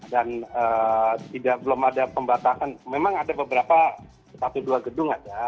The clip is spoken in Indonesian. dan belum ada pembatasan memang ada beberapa satu dua gedung ada